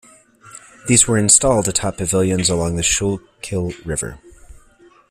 These were installed atop pavilions along the Schuylkill River.